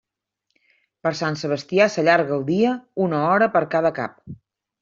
Per Sant Sebastià s'allarga el dia, una hora per cada cap.